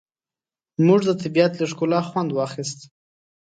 موږ د طبیعت له ښکلا خوند واخیست.